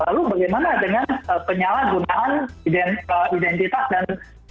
lalu bagaimana dengan penyalahgunaan identitas dan